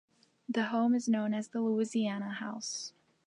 The home is known as The Louisiana House.